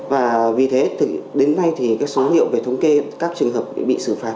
và vì thế đến nay thì số hiệu về thống kê các trường hợp bị xử phạt